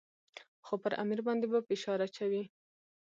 خو پر امیر باندې به فشار اچوي.